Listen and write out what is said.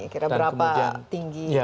kira berapa tinggi air yang bisa